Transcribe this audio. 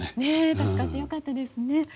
助かって良かったですね。